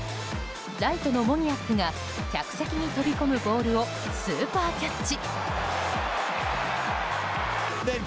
ライトのモニアックが客席に飛び込むボールをスーパーキャッチ。